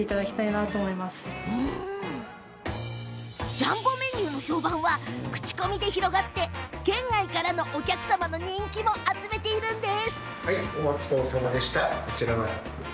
ジャンボメニューの評判は口コミで広がって県外からの、お客様の人気も集めているんです。